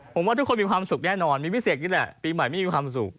ผมว่าทุกคนมีความสุขแน่นอนมีพิเศษนี่แหละปีใหม่ไม่มีความสุข